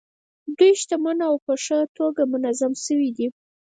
دوی شتمن او په ښه توګه منظم شوي دي.